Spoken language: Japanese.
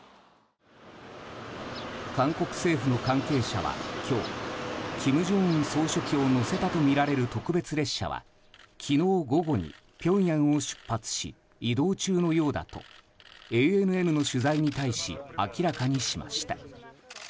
韓国政府の関係者は今日金正恩総書記を乗せたとみられる特別列車は昨日午後にピョンヤンを出発し移動中のようだとＡＮＮの取材に対し明らかにしました。